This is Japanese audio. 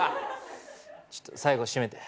ちょっと最後締めて。